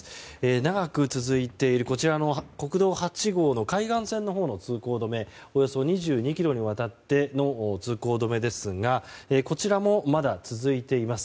長く続いている国道８号の海岸線のほうの通行止めはおよそ２２ｋｍにわたっての通行止めですがこちらもまだ続いています。